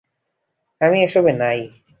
আমি এসবে নাই।